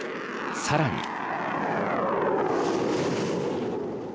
さらに。